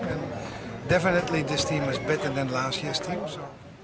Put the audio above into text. dan tentu saja tim ini lebih baik dari tim tahun lalu